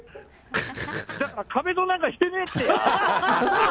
壁ドンなんかしてねぇって！